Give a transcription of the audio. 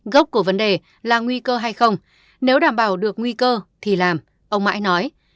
gốc của vấn đề là nguy cơ hay không nếu đảm bảo được nguy cơ thì làm ông mãi nói